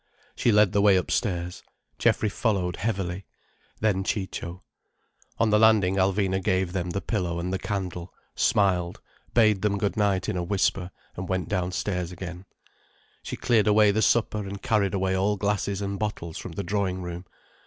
She led the way upstairs. Geoffrey followed, heavily. Then Ciccio. On the landing Alvina gave them the pillow and the candle, smiled, bade them good night in a whisper, and went downstairs again. She cleared away the supper and carried away all glasses and bottles from the drawing room.